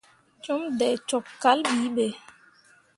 Cum dai cok kal bi be.